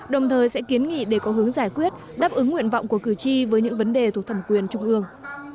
đồng thời sẽ kiến nghị để có hướng giải quyết đáp ứng nguyện vọng của cử tri với những vấn đề thuộc thẩm quyền trung ương